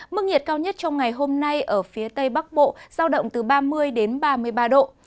mức nhiệt cao nhất trong ngày hôm nay ở phía tây bắc bộ giao động từ ba mươi đến ba mươi ba độ